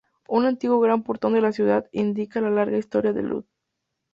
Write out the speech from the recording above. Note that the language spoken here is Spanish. Un antiguo gran portón de la ciudad indica la larga historia de Lod.